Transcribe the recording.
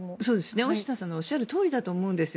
大下さんのおっしゃるとおりだと思います。